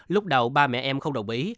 lúc đầu ba mẹ em không đồng ý